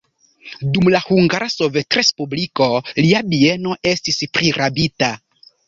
Dum la Hungara Sovetrespubliko lia bieno estis prirabita.